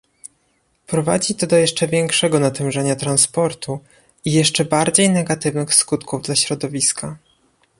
Prowadzi to do jeszcze większego natężenia transportu i jeszcze bardziej negatywnych skutków dla środowiska